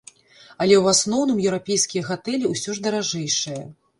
Але ў асноўным еўрапейскія гатэлі ўсё ж даражэйшыя.